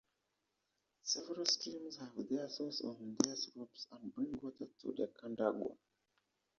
Several streams have their source on their slopes and bring water to the Cadagua.